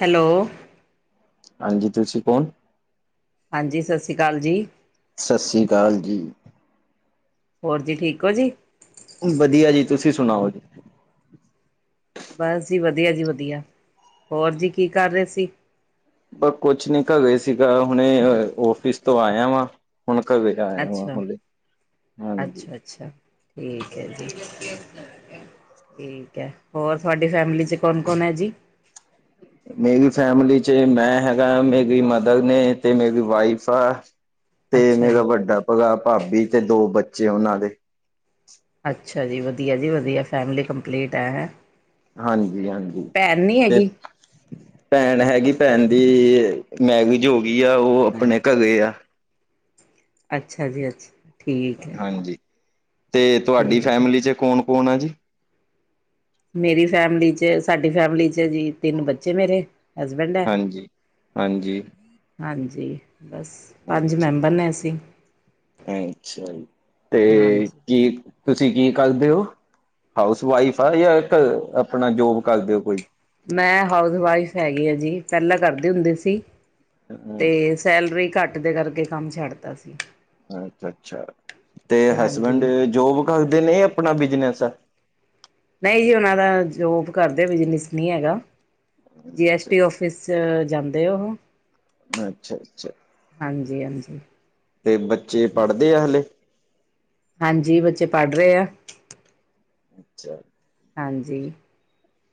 Hello. ਹਾਂਜੀ। ਤੁਸੀਂ ਕੌਣ? ਹਾਂਜੀ। ਸਤਿ ਸ਼੍ਰੀ ਅਕਾਲ ਜੀ। ਸਤਿ ਸ਼੍ਰੀ ਅਕਾਲ ਜੀ। ਹੋਰ ਜੀ, ਠੀਕ ਹੋ ਜੀ। ਵਧੀਆ ਜੀ, ਤੁਸੀਂ ਸੁਣਾਓ ਜੀ? ਬਸ ਜੀ ਵਧੀਆ ਜੀ ਵਧੀਆ। ਹੋਰ ਜੀ ਕੀ ਕਰ ਰਹੇ ਸੀ? ਪਰ ਕੁਛ ਨੀ ਘੁਰੇ ਸੀਗਾ। ਹੁਣੇ ਆਫਿਸ ਤੋਂ ਆਇਆ ਵਾ। ਹੁਣ ਘਰੇ ਆਇਆ ਵਾਂ। ਅੱਛਾ ਹਲੇ, ਹਾਂਜੀ। ਅੱਛਾ ਅੱਛਾ। ਠੀਕ ਐ ਜੀ। ਠੀਕ ਐ। ਹੋਰ ਤੁਹਾਡੀ ਫੈਮਲੀ ਚ ਕੌਣ- ਕੌਣ ਐ ਜੀ? ਮੇਰੀ ਫੈਮਿਲੀ 'ਚ ਮੈਂ ਹੈਗਾ, ਮੇਰੀ ਮਦਰ ਨੇ ਤੇ ਮੇਰੀ ਵਾਈਫ ਆ। ਤੇ ਅੱਛਾ ਮੇਰਾ ਜੀ ਵੱਡਾ ਭ, ਭਾਬੀ ਤੇ ਦੋ ਬੱਚੇ ਉਹਨਾਂ ਦੇ। ਅੱਛਾ ਜੀ। ਵਧੀਆ ਜੀ ਵਧੀਆ, ਫੈਮਿਲੀ ਕੰਪਲੀਟ ਹੈ ਹੈਂ। ਹਾਂਜੀ -ਹਾਂਜੀ। ਭੈਣ ਨਹੀਂ ਤੇ ਹੈਗੀ ਭੈਣ ਹੈਗੀ। ਭੈਣ ਦੀ ਮੈਗੀ ਜੋਗੀ ਆ ਉਹ ਆਪਣੇ ਘਗੇ ਆ। ਅੱਛਾ ਜੀ ਅੱਛਾ। ਠੀਕ ਹੈ। ਹਾਂਜੀ। ਤੇ ਤੁਹਾਡੀ ਠੀਕ ਹੈ ਫੈਮਲੀ ਚ' ਕੌਣ -ਕੌਣ ਆ ਜੀ। ਮੇਰੀ ਫੈਮਿਲੀ ਚ' ਸਾਡੀ ਫੈਮਿਲੀ ਚ' ਜੀ ਤਿੰਨ ਬੱਚੇ ਮੇਰੇ। ਹਸਬੈਂਡ ਹੈ। ਹਾਂਜੀ ਹਾਂਜੀ। ਹਾਂਜੀ। ਬਸ। ਪੰਜ ਅੱਛਾ ਮੈਂਬਰ ਨੇ ਅਸੀਂ। ਅੱਛਾ ਜੀ। ਤੇ ਹਾਂਜੀ ਕੀ ਤੁਸੀਂ ਕੀ ਕਰਦੇ ਹੋ? ਹਾਊਸ ਵਾਈਫ ਆ ਜਾਂ ਆਪਣਾ ਜੋਬ ਕਰਦੇ ਹੋ ਕੋਈ? ਮੈਂ ਹਾਊਸ ਵਾਈਫ ਹੈਗੀ ਆ ਜੀ, ਪਹਿਲਾਂ ਕਰਦੇ ਹੁੰਦੇ ਸੀ। ਹਮ, ਤੇ ਸੈਲਰੀ ਘੱਟ ਦੇ ਕਰਕੇ ਕੰਮ ਛੱਡਤਾ ਸੀ। ਅੱਛਾ -ਅੱਛਾ। ਤੇ ਹਾਂਜੀ ਹਸਬੈਂਡ ਜੋਬ ਕਰਦੇ ਨੇ ਜਾ, ਆਪਣਾ ਬਿਜ਼ਨਸ? ਨਹੀਂ ਜੀ। ਉਹਨਾਂ ਦਾ ਜੋਬ ਕਰਦੇ ਬਿਜਨਸ ਨਹੀਂ ਹੈਗਾ। ਜੀ ਐਸਟੀ ਅੱਛਾ ਔਫ ਫਿਸ ਜਾਂਦੇ ਉਹੋ। ਅੱਛਾ- ਅੱਛਾ। ਹਾਂਜੀ- ਹਾਂਜੀ। ਤੇ ਬੱਚੇ ਪੜ੍ਹਦੇ ਆ ਹਲੇ? ਹਾਂਜੀ। ਬੱਚੇ ਪੜ੍ਹ ਰਹੇ ਆ। ਅੱਛਾ। ਹਾਂਜੀ।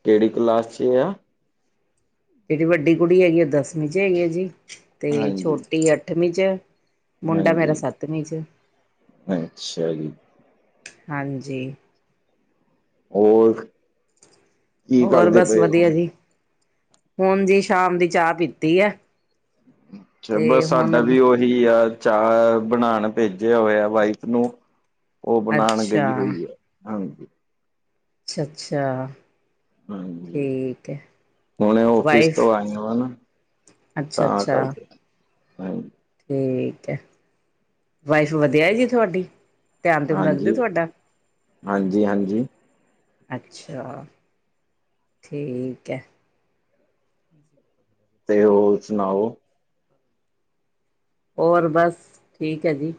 ਕਿਹੜੀ ਕੁਲਾਸ ਚ' ਆ। ਜਿਹੜੀ ਵੱਡੀ ਕੁੜੀ ਹੈਗੀ। ਉਹ ਦਸਵੀਂ ਚ' ਹੈਗੀ ਐਂ। ਜੀ ਤੇ ਹਾਂਜੀ ਛੋਟੀ ਅੱਠਵੀਂ ਚ'। ਮੁੰਡਾ ਹਾਂਜੀ ਮੇਰਾ ਸੱਤਵੀਂ ਚ' ਅੱਛਾ ਜੀ। ਹਾਂਜੀ। ਹੋਰ ਕੀ ਹੋਰ ਕਰਦੇ ਬਸ ਪਏ ਹੋ ਵਧੀਆ ਹੁਣ ਜੀ। ਹੁਣ ਜੀ ਸ਼ਾਮ ਦੀ ਚਾਹ ਪੀਤੀ ਹੈ। ਅੱਛਾ। ਤੇ ਬਸ ਸਾਡਾ ਹੁਣ ਵੀ ਉਹ ਵੀ ਆ ਚਾਹ ਬਣਾਉਣ ਭੇਜਿਆ ਹੋਵੇ ਆ ਵਾਈਫ ਨੂੰ। ਉਹ ਬਣਾਉਣ ਗਈ ਅੱਛਾ ਹੋਈ ਆ। ਹਾਂਜੀ। ਅੱਛਾ- ਅੱਛਾ। ਹਾਂਜੀ। ਹੁਣ ਆਫਿਸ ਵਾਈਫ ਤੋਂ ਆਏ ਵ ਨਾ। ਤਾਂ ਕਰਕੇ। ਹਾਂ। ਤੇ ਵਾਈਫ ਵਧੀਆ ਹੈ ਜੀ ਤੁਹਾਡੀ। ਧਿਆਨ ਧਿਊਨ ਰੱਖਦੇ ਹਾਂਜੀ- ਤੁਹਾਡਾ ਹਾਂਜੀ- ਹਾਂਜੀ। ਅੱਛਾ। ਠੀਕ ਹੈ। [unintelligible] ਤੇ ਉਹ ਸੁਣਾਓ ਹੋਰ ਬਸ, ਠੀਕ ਹੈ ਜੀ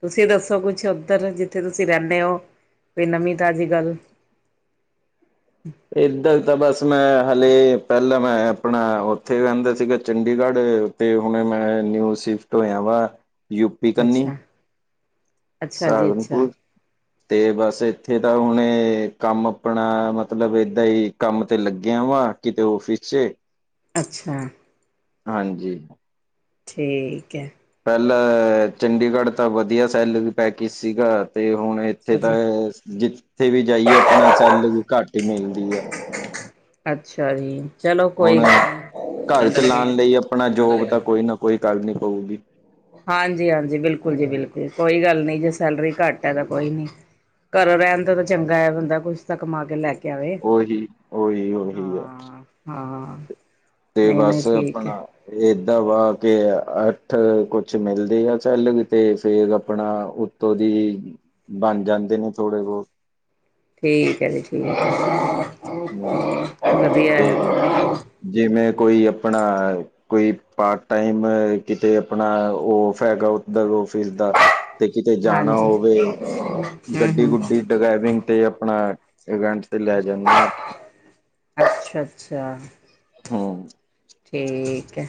ਤੁਸੀਂ ਦੱਸੋ ਕੁਛ ਉੱਧਰ, ਜਿੱਥੇ ਤੁਸੀਂ ਰਹਿੰਦੇ ਹੋ ਕੋਈ ਨਵੀਂ ਤਾਜ਼ੀ ਗੱਲ- ਇੱਧਰ ਤਾਂ ਬਸ ਮੈਂ ਹਾਲੇ ਪਹਿਲਾਂ ਮੈਂ ਆਪਣਾ ਉੱਥੇ ਰਹਿੰਦਾ ਸੀਗਾ ਚੰਡੀਗੜ੍ਹ- ਤੇ ਹੁਣ ਮੈਂ ਨਿਊ ਸਿਫਟ ਹੋਇਆ ਵਾ ਯੂਪੀ ਕੰਨੀ ਅੱਛਾ ਅੱਛਾ ਜੀ ਅੱਛਾ ਸਾਰਨਪੁਰ ਤੇ ਬਸ ਇੱਥੇ ਤਾਂ ਹੁਣੇ ਕੰਮ ਆਪਣਾ ਮਤਲਬ ਏਦਾਂ ਹੀ ਕੰਮ ਤੇ ਲੱਗਿਆ ਵਾ- ਕਿਤੇ ਔਫਿਸ ਚ ਅੱਛਾ। ਹਾਂਜੀ ਠੀਕ ਹੈ ਪਹਿਲਾਂ ਚੰਡੀਗੜ੍ਹ ਤਾਂ ਵਧੀਆ ਸੈਲਰੀ ਪੈਕੇਜ ਸੀਗਾ। ਤੇ ਹੁਣ ਇੱਥੇ ਅੱਛਾ ਤਾਂ ਜੀ ਜਿੱਥੇ ਵੀ ਜਾਈਏ ਆਪਣਾ ਸੈਲਰੀ ਵੀ ਘੱਟ ਹੀ ਮਿਲਦੀ ਆ। ਅੱਛਾ ਜੀ! ਚਲੋ ਹੁਣ ਕੋਈ ਗੱਲ ਨਹੀਂ। ਘਰ ਡੰਡਾ ਚ ਲੈ ਕੇ ਲਾਉਣ ਆਈਏ, ਲਈ ਆਪਣਾ ਡੰਡਾ ਲੈ ਜੋਬ ਕੇ ਤਾਂ ਆਈਏ। ਕੋਈ ਨਾ ਕੋਈ ਕਰਨੀ ਪਊਗੀ। ਹਾਂਜੀ ਹਾਂਜੀ, ਬਿਲਕੁਲ ਜੀ ਬਿਲਕੁਲ ਕੋਈ ਗੱਲ ਨਹੀਂ ਜੇ ਸੈਲਰੀ ਘੱਟ ਹੈ ਤਾਂ ਕੋਈ ਨੀ। ਘਰ ਰਹਿਣ ਦਾ ਤਾਂ ਚੰਗਾ ਏ ਬੰਦਾ ਕੁਛ ਤਾਂ ਕਮਾ ਕੇ ਲੈ ਕੇ ਆਵੇ ਓਹੀ ਓਹੀ ਉਹੀ ਆ। ਹਾਂ ਹਾਂ ਤੇ ਨਹੀਂ ਨਹੀਂ ਬਸ ਠੀਕ ਹੈ ਆਪਣਾ ਏਦਾਂ ਵਾ ਕੇ ਅੱਠ ਕੁਛ ਮਿਲਦੇ ਆ ਸੈਲਰੀ ਤੇ ਫੇਰ ਆਪਣਾ ਉਤੋ ਦੀ ਬਣ ਜਾਂਦੇ ਨੇ ਥੋੜੇ ਬਹੁਤ ਠੀਕ ਹੈ ਜੀ ਠੀਕ ਹੈ ਹਮ ਹ [unintelligible] ਤੇ ਜਿਵੇਂ ਕੋਈ ਆਪਣਾ ਕੋਈ ਪਾਰਟ ਟਾਈਮ ਕਿਤੇ ਆਪਣਾ ਫ ਹੈਗਾ ਉੱਧਰ ਔਫਿਸ ਦਾ- ਤੇ ਕਿਤੇ ਜਾਣਾ ਹਾਂਜੀ ਹੋਵੇ, ਹਮ ਗੱਡੀ ਹਮ ਗੁੱਡੀ ਡਰਾਈਵਿੰਗ ਤੇ ਆਪਣਾ ਰੈੰਟ ਤੇ ਜਾਂਦੇ ਹਾ। ਆਪ ਅੱਛਾ ਅੱਛਾ ਹਮ [unintelligible] ਠੀਕ ਹੈ,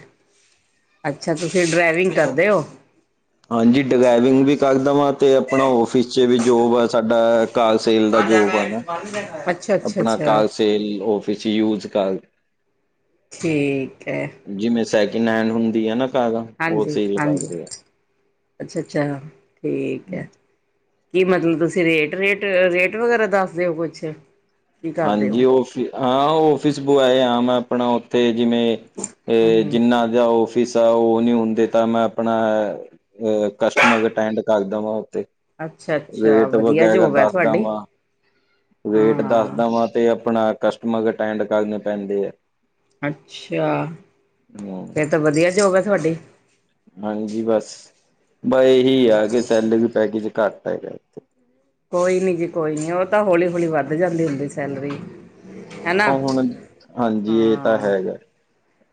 ਅੱਛਾ ਤੁਸੀਂ ਡਰਾਈਵਿੰਗ ਕਰਦੇ ਹੋ- ਹਾਂਜੀ ਡਰਾਈਵਿੰਗ ਵੀ ਕਰਦ ਵਾਂ ਅਤੇ ਆਪਣਾ ਔਫਿਸ 'ਚ ਵੀ ਜੋਬ ਆ ਸਾਡਾ ਕਾਲਸੇਲ ਦਾ ਜੋਬ ਆ ਨਾ। ਅੱਛਾ [unintelligible] ਆਪਣਾ ਕਾਰਸੇਲ ਫਿਸ ਯੂਜ ਕਰ ਠੀਕ ਹੈ ਜਿਵੇਂ ਸੈਕਿੰਡ ਹੈਂਡ ਹੁੰਦੀ ਆ ਨਾ ਕਾਰਾ ਉਹ ਹਾਂਜੀ ਸੇਲ ਹਾਂਜੀ ਕਰਦੇ ਆ। ਅੱਛਾ ਅੱਛਾ ਠੀਕ ਆ ੲੈ, ਕੀ ਮਤਲਬ ਤੁਸੀਂ ਰੇਟ ਰੇਟ ਰੇਟ ਵਗੈਰਾ ਦਸ ਦੇ ਓ ਕੁਛ। ਕੀ ਕਰਦੇ ਹੋ ਹਾਂਜੀ ਔਫਿਸ ਹਾਂ ਔਫਿਸ ਬੁਆਏ ਆ ਮੈਂ ਆਪਣਾ ਉੱਥੇ ਜਿਵੇਂ ਹੂੰ ਇਹ ਹੂੰ ਜਿੰਨਾ ਦਾ ਔਫ ਜਿਸ ਤਰ੍ਹ ਉ ਨੀ ਹੁੰਦੇ ਤਾਂ ਮੈਂ ਆਪਣਾ ਕਸਟਮਰ ਅਟੈਂਡ ਕਰਦਾ ਵਾਂ ਉਥੇ। ਅੱਛਾ ਅੱਛਾ ਰੇਟ ਵਧੀਆ ਵਗੈਗਾ ਜੋਬ ਹੈ ਦੱਸਦਾ ਤੁਹਾਡੀ ਵਾ। ਰੇਟ ਹਾਂ ਦੱਸਦਾ ਵਾਂ ਤੇ, ਆਪਣਾ ਕਸਟਮਰ ਅਟੈਂਡ ਕਰਨੇ ਪੈਂਦੇ ਆ। ਅੱਛਾ! ਹਮ ਫਿਰ ਤਾਂ ਵਧੀਆ ਜੋਬ ਹੈ ਤੁਹਾਡੀ। ਹਾਂਜੀ ਬਸ, ਬ ਇਹੀ ਆ ਕਿ ਸੈਲਰੀ ਵੀ ਪੈਕੇਜ ਘੱਟ ਹੈਗਾ ਏਥੇ। ਕੋਈ ਨੀ ਜੀ ਕੋਈ ਨੀ ਉਹ ਤਾਂ ਹੌਲੀ ਹੌਲੀ ਵੱਧ ਜਾਂਦੀ ਹੁੰਦੀ ਸੈਲਰੀ। ਹਨਾ ਹਾਂ ਹੁਣ ਹਾਂਜੀ ਇਹ ਤਾਂ ਹਾਂ ਹੈਗਾ।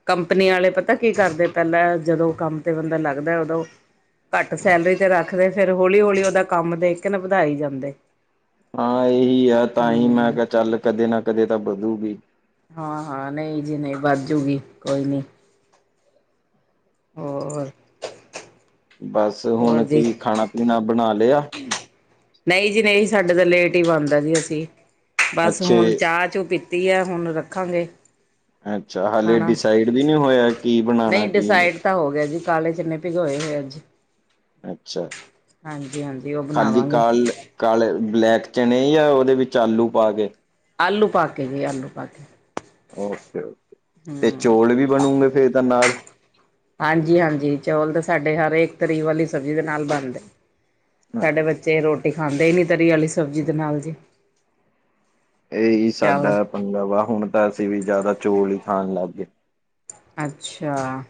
ਕੰਪਨੀ ਵਾਲੇ ਪਤਾ ਕੀ ਕਰਦੇ ਪਹਿਲਾਂ ਜਦੋਂ ਕੰਮ ਤੇ ਬੰਦਾ ਲੱਗਦਾ ਉਦੋਂ ਘੱਟ ਸੈਲਰੀ ਤੇ ਰੱਖਦੇ ਫਿਰ ਹੌਲੀ-ਹੌਲੀ ਉਹਦਾ ਕੰਮ ਦੇਖ ਕੇ ਨਾ ਵਧਾਈ ਜਾਂਦੇ। ਹਾਂ ਇਹੀ ਹੈ ਤਾਂ ਹੀ ਮੈਂ ਹੂੰ ਕਿਹਾ ਚੱਲ ਕਦੇ ਨਾ ਕਦੇ ਤਾਂ ਵਧੂਗੀ। ਹਾਂ-ਹਾਂ ਨਹੀਂ ਜੀ-ਨਹੀਂ ਵੱਧ ਜੂਗੀ ਕੋਈ ਨੀ। ਹੋਰ ਬਸ ਹੁਣ ਹੋਰ ਜੀ ਕੀ ਖਾਣਾ-ਪੀਣਾ ਬਣਾ ਲਿਆ। ਨਹੀਂ ਜੀ-ਨਹੀਂ ਸਾਡੇ ਤਾਂ ਲੇਟ ਹੀ ਬਣਦਾ ਜੀ ਅਸੀਂ ਬਸ ਅੱਛੇ ਹੁਣ ਚਾਹ ਚੂ ਪੀ ਤੀ ਏ ਹੁਣ ਰੱਖਾਂਗੇ। ਅੱਛਾ ਹੱਲੇ ਖਾਣਾ ਡਿਸਾਈਡ ਵੀ ਨਹੀਂ ਹੋਇਆ ਕੀ ਬਣਾਣਾ ਕੀ ਨਹੀਂ। ਡਿਸਾਈਡ ਤਾਂ ਹੋ ਗਿਆ ਜੀ। ਕਾਲੇ ਚਨੇ ਭਿਗੋਏ ਹੋਏ ਅੱਜ। ਅੱਛਾ। ਹਾਂਜੀ-ਹਾਂਜੀ ਉਹ ਖਾਲੀ ਬਣਾਵਾਂਗੇ। ਕਾਲ ਕਾਲੇ ਬਲੈਕ ਚਣੇ ਯਾਅਂ ਉਹਦੇ ਵਿੱਚ ਆਲੂ ਪਾ ਕੇ। ਆਲੂ ਪਾ ਕੇ ਵੀ ਆਲੂ ਪਾ ਕੇ। ਓਕੇ-ਓਕੇ ਤੇ ਹਮ ਚੌਲ ਵੀ ਬਣੂਗੇ ਤੇ ਏਹਦਾ ਨਾਲ ਹਾਂਜੀ-ਹਾਂਜੀ ਚੌਲ ਤਾਂ ਸਾਡੇ ਹਰ ਇਕ ਤਰੀ ਵਾਲੀ ਸਬਜ਼ੀ ਦੇ ਨਾਲ ਬਣਦੇ, ਸਾਡੇ ਬ ਚੇ ਰੋਟੀ ਖਾਂਦੇ ਹੀ ਨੀ ਤਰੀ ਆਲੀ ਸਬਜ਼ੀ ਦੇ ਨਾਲ ਜੀ। ਇਹੀ ਚਾਵਲ ਸਾਡਾ ਪੰਗਾ ਵਾ ਹੁਣ ਤਾਂ ਅਸੀਂ ਵੀ ਜ਼ਿਆਦਾ ਚੌਲ ਈ ਖਾਣ ਲੱਗ ਗੇ‌। ਅੱਛਾ,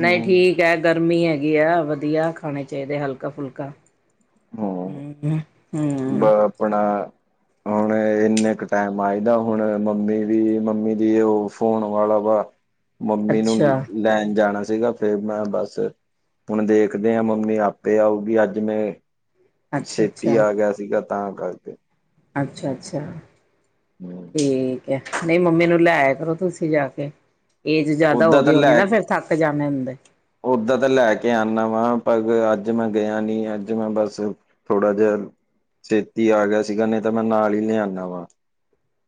ਨਈ ਠੀ ਗਰਮੀ ਹੈਗੀ ਆ ਵਧੀਆ ਖਾਣੇ ਚਾਈਦੇ ਹਲਕਾ-ਫੁਲਕਾ, ਹੂੰ। ਹੂੰ। ਟ ਬ ਆਪਣਾ ਹੁਣ ਇੰਨੇ ਕੁ ਟਾਈਮ ਆਈਦਾ ਹੁਣ ਮੰਮੀ ਵੀ ਮੰਮੀ ਦੀ ਉਹ ਫੋਨ ਵਾਲਾ ਵਾ ਮੰਮੀ ਨੂੰ ਅੱਛਾ, ਵੀ ਲੈਣ ਜਾਣਾ ਸੀਗਾ। ਤੇ ਮੈਂ ਬਸ ਹੁਣ ਦੇਖਦੇ ਹਾਂ ਮੰਮੀ ਆਪੇ ਆਊਗੀ ਅੱਜ ਮੈਂ ਅੱਛਾ, ਛੇਤੀ ਅੱਛਾ, ਆ ਗਿਆ ਸੀਗਾ ਤਾਂ ਕਰਕੇ। ਅੱਛਾ-ਅੱਛਾ। ਹੂੰ। ਠੀਕ ਹੈ ਨਹੀਂ ਮੰਮੀ ਨੂੰ ਲੈ ਆਯਾ ਕਰੋ ਤੁਸੀਂ ਜਾ ਕੇ ਏਜ ਜਿਆਦਾ ਹੋ ਓਦਾਂ ਤਾਂ ਗਈ ਹੋਣੀ ਲੈ ਨਾ ਫਿਰ ਥੱਕ ਜਾਣੇ ਹੁੰਦੇ। ਓਦਾਂ ਤਾਂ ਲੈ ਕੇ ਆਣਾ ਵਾ ਪਰ ਅੱਜ ਮੈਂ ਗਿਆ ਨੀ ਅੱਜ ਮੈਂ ਬਸ ਥੋੜ੍ਹਾ ਜਿਹਾ ਛੇਤੀ ਆ ਗਿਆ ਸੀਗਾ ਨਹੀਂ ਤਾਂ ਮੈਂ ਨਾਲ ਹੀ ਲਿਆਣਾ ਵਾਂ।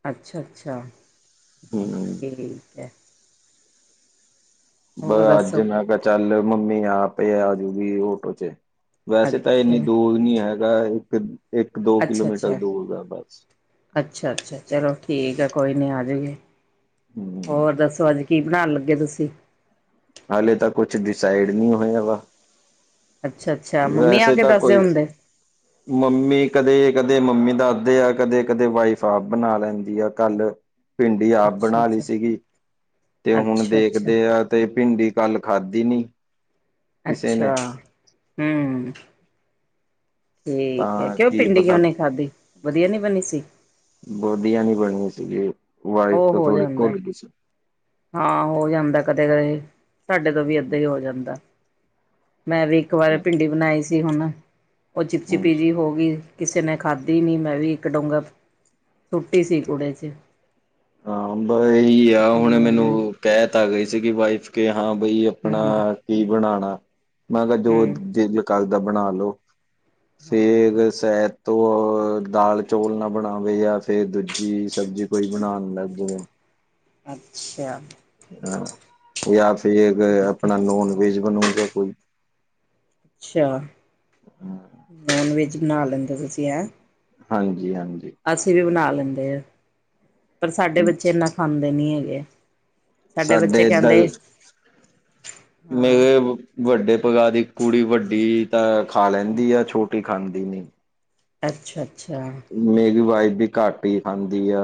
ਅੱਛਾ-ਅੱਛਾ ਠੀਕ ਏ। ਬ ਹੋਰ ਅੱਜ ਦੱਸੋ? ਮੈਂ ਕਿਹਾ ਚੱਲ ਮੰਮੀ ਆਪ ਪਏ ਆਜੂਗੀ ੳਟੋ ਚ ਵੈਸੇ ਤਾਂ ਇੰਨੀ ਅੱਛਾ, ਦੂਰ ਨੀ ਹੈਗਾ ਇੱਕ, ਇੱਕ ਦੋ ਕਿਲੋਮੀਟਰ ਦੂਰ ਐ ਬਸ। ਅੱਛਾ-ਅੱਛਾ ਚਲੋ ਠੀਕ ਐ ਕੋਈ ਨੀ ਆ ਜੇਗੀ। ਹਮ ਹੋਰ ਦੱਸੋ ਅੱਜ ਕੀ ਬਣਾਣ ਲੱਗੇ ਤੁਸੀਂ? ਹਾਲੇ ਤਾਂ ਕੁਛ ਡਿਸਾਈਡ ਨੀ ਹੋਇਆ ਵਾ। ਅੱਛਾ-ਅੱਛਾ ਮੰਮੀ ਆ ਵੈਸੇ ਕੇ ਤਾਂ ਦੱਸਦੇ ਕੋਈ ਹੁੰਦੇ। ਮੰਮੀ ਕਦੇ-ਕਦੇ ਮੰਮੀ ਦੱਸਦੇ ਆ ਕਦੇ-ਕਦੇ ਵਾਈਫ ਆਪ ਬਣਾ ਲੈਂਦੀ ਆ ਕੱਲ ਭਿੰਡੀ ਆਪ ਅੱਛਾ, ਬਣਾ ਲਈ ਅੱਛਾ, ਸੀਗੀ, ਤੇ ਹੁਣ ਅੱਛਾ, ਅੱਛਾ। ਦੇਖਦੇ ਆ ਤੇ ਭਿੰਡੀ ਕੱਲ ਖਾਧੀ ਨੀ। ਕਿਸੇ ਅੱਛਾ, ਨੇ ਹੂੰ। ਠੀਕ ਐ ਤਾਂ ਕਿਉਂ ਕੀ ਪਿੰਡੀ ਪਤਾ ਕਿਉਂ ਨਈ ਖਾਧੀ ਵਧੀਆ ਨੀ ਬਣੀ ਸੀ? ਵਧੀਆ ਨੀ ਬਣੀ ਸੀਗੀ ਵਾਈਫ ਉਹ ਤੋ ਹੋ ਥੋੜੀ ਜਾਂਦਾ ਕੁਲਗੀ ਸੀ। ਹਾਂ ਹੋ ਜਾਂਦਾ ਕਦੇ-ਕਦੇ ਸਾਡੇ ਤੋਂ ਵੀ ਏਦਾਂ ਈ ਹੋ ਜਾਂਦਾ, ਮੈਂ ਵੀ ਇੱਕ ਵਾਰ ਭਿੰਡੀ ਬਣਾਈ ਸੀ ਹੁਣ, ਉਹ ਹਮ ਚਿਪਚਿਪੀ ਜੀ ਹੋਗੀ। ਕਿਸੇ ਨੇ ਖਾਧੀ ਨੀ ਮੈਂ ਵੀ ਇੱਕ ਡੋਂਗਾ, ਸੁੱਟੀ ਸੀ ਕੁੂੜੇ ਚ। ਹਾਂ ਬ ਇਹੀ ਆ ਹੁਣ ਹਮ ਮੈਨੂੰ ਕਹਿਤਾ ਆ ਗਈ ਸੀਗੀ ਵਾਈਫ ਕੇ ਹਾਂ ਬਈ ਹਮ ਆਪਣਾ ਕੀ ਬਣਾਂਣਾ ਮੈਂ ਕਿਹਾ ਜੋ ਹਮ ਦਿਲ ਕਰਦਾ ਬਣਾ ਲੋ। ਹਾਂ ਫੇਰ ਸੈਦ ਤੋਂ ਦਾਲ, ਚੌਲ ਨਾ ਬਣਾਵੇ ਜਾਂ ਫੇਰ ਦੂਜ ਜੀ ਸਬਜ਼ੀ ਕੋਈ ਬਣਾਣ ਲੱਗ ਜਵੇ। ਅੱਛਾ। ਹਾਂ, ਜਾਂ ਫਿਰ ਠੀਕ ਹੈ ਆਪਣਾ ਨੋਨ ਵੈਜ ਬਣੂਗਾ ਕੋਈ। ਅੱਛਾ, ਨੋਨ ਵੈਜ ਬਣਾ ਲੈਂਦੇ ਓ ਤੁਸੀਂ ਐ? ਹਾਂਜੀ-ਹਾਂਜੀ। ਅਸੀਂ ਵੀ ਬਣਾ ਲੈਂਦੇ, ਪਰ ਸਾਡੇ ਬੱਚੇ ਇਨਾ ਖਾਂਦੇ ਨੀ ਹੈਗੇ। ਸਾਡੇ ਬੱਚੇ ਏਧਲ ਕਹਿੰਦੇ ਹਾਂ ਮੇਰੇ ਵੱਡੇ ਭਰਾ ਦੀ ਕੁੜੀ ਵੱਡੀ ਤਾਂ ਖਾ ਲੈਂਦੀ ਆ ਛੋਟੀ ਖਾਂਦੀ ਨੀ। ਅੱਛਾ-ਅੱਛਾ। ਮੈਗੀ ਵਾਈਫ ਵੀ ਘੱਟ ਹੀ ਖਾਂਦੀ ਆ।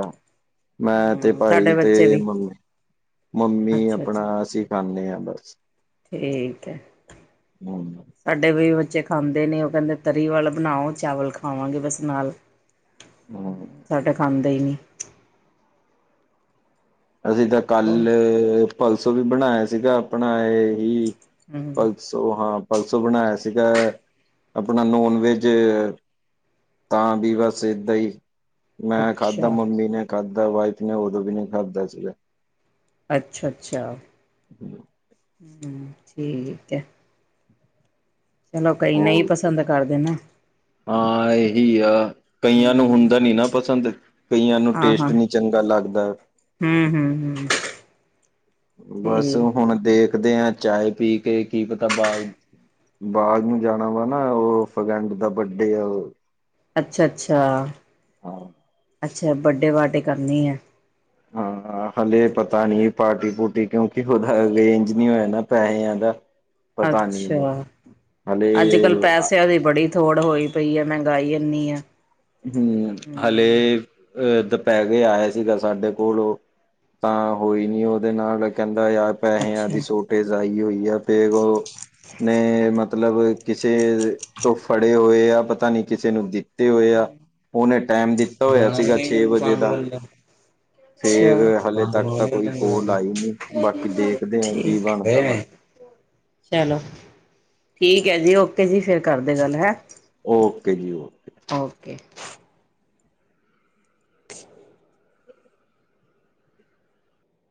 ਮੈਂ ਤੇ ਹਮ ਸਾਡੇ ਭਾਈ ਤੇ ਬੱਚੇ ਵੀ ਮੰਮੀ ਮੰਮੀ ਅੱਛਾ-ਅੱਛਾ ਆਪਣਾ ਅਸੀਂ, ਖਾਣੇ ਆ ਬਸ। ਠੀਕ ਐ। ਹਮ ਸਾਡੇ ਵੀ ਬੱਚੇ ਖਾਂਦੇ ਨੇ ਉਹ ਕਹਿੰਦੇ ਤਰੀ ਵਾਲਾ ਬਣਾਓ ਚਾਵਲ ਖਾਵਾਂਗੇ ਬਸ ਨਾਲ। ਹਮ ਸਾਡਾ ਖਾਂਦਾ ਹੀ ਨੀ। ਅਸੀਂ ਤਾਂ ਹੋਰ ਕੱਲ ਪਲਸੋ ਵੀ ਬਣਾਇਆ ਸੀਗਾ ਆਪਣਾ ਇਹੀ, ਹੂੰ ਹਾਂ ਪਰਸੋਂ ਬਣਾਇਆ ਸੀਗਾ ਆਪਣਾ ਨੋਨ ਵੈਜ, ਤਾਂ ਵੀ ਬਸ ਏਦਾਂ ਹੀ। ਮੈਂ ਖਾਦਾ ਅੱਛਾ। ਮੰਮੀ ਨੇ ਖਾਦਾ ਵਾਈਫ ਨੇ ਉਦੋਂ ਵੀ ਨਹੀਂ ਖਾਦਾ ਸੀਗਾ। ਅੱਛਾ ਅੱਛਾ ਠੀਕ ਐ। ਚਲੋ ਕਈ ਨਈ ਹੋਰ ਪਸੰਦ ਕਰਦੇ ਨੇ। ਹਾਂ ਇਹੀ ਆ ਕਈਆਂ ਨੂੰ ਹੂੰ ਹੁੰਦਾ ਨੀ ਨਾ ਪਸੰਦ। ਕਈਆਂ ਨੂੰ ਟੇਸਟ ਨੀ ਚੰਗਾ ਲੱਗਦਾ। ਹੂੰ ਹੂੰ ਹੂੰ। ਬਸ ਹੁਣ ਦੇਖਦੇ ਆ ਚਾਏ ਪੀ ਕੇ ਕੀ ਪਤਾ ਬਾ ਹਰ ਨੂੰ ਜਾਣਾ ਵਾ ਨਾ ਉਹ ਫਰੈਡ ਦਾ ਬਾਡੇ ਆ। ਅੱਛਾ-ਅੱਛਾ। ਹਾਂ। ਅੱਛਾ ਬੰਡੇ ਪਾਰਟੀ ਕਰਨੀ ਐ। [inaudible] ਹਾਲੇ ਪਤਾ ਨੀ ਪਾਰਟੀ ਪੁਟੀ ਕਿਉਂਕਿ ਉਹਦਾ ਅਰੇਂਜ ਨੀ ਹੋਇਆ ਨਾ ਪੈਹਿਆਂ ਦਾ। ਪਤਾ ਨੀ ਹੁੰਦਾ ਅੱਛਾ, ਹਲੇ ਅੱਜ-ਕੱਲ ਪੈਸਿਆਂ ਦੀ ਬੜੀ ਥੋੜ ਹੋਈ ਪਈ ਐ ਮਹਿੰਗਾਈ ਐਨੀ ਐ। ਹੂੰ, ਹੂੰ ਹਲੇ ਅ ਦੁਪਹਿਰੇ ਆਇਆ ਸੀਗਾ ਸਾਡੇ ਕੋਲ ਉਹ, ਤਾਂ ਹੋਈ ਨੀ ਉਹਦੇ ਨਾਲ ਕਹਿੰਦਾ ਯਾਰ। ਪੈਸਿਆਂ ਦੀ ਅੱਛਾ ਸੋਟੇਜ਼ ਆਈ ਹੋਈ ਆ ਫੇਰ ਉਹ ਨੇ ਮਤਲਬ ਕਿਸੇ ਤੋਂ ਫੜੇ ਹੋਏ ਆ ਪਤਾ ਨੀ ਕਿਸੇ ਨੂੰ ਦਿੱਤੇ ਹੋਏ ਆ। ਉਹਨੇ ਟਾਈਮ ਦਿੱਤਾ [unintelligible] ਹੋਇਆ ਸੀਗਾ ਛੇ ਅੱਛ ਵਜੇ ਦਾ ਫੇਰ ਹਾਲੇ ਤੱਕ ਤਾਂ ਕੋਈ ਕੋਲ ਆਈ ਨੀ ਬਾਕੀ ਦੇਖਦੇ ਆ ਕੀ ਠੀਕ ਬਣਦਾ ਵਾ [unintelligible] ਚਲੋ ਠੀਕ ਐ ਜੀ ਓਕੇ ਜੀ ਫੇਰ ਕਰਦੇ ਗੱਲ ਹੈ। ਓਕੇ ਜੀ ਓਕੇ। ਓਕੇ।